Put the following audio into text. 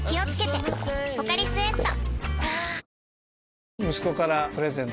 「ポカリスエット」